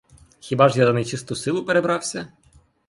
Хіба ж я за нечисту силу перебрався?